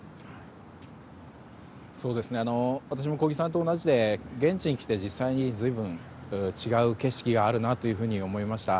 私も小木さんと同じで現地に来て実際に随分違う景色があるなと思いました。